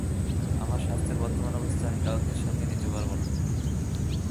আমার স্বাস্থ্যের বর্তমান অবস্থায় আমি কাউকে সঙ্গে নিতে পারব না।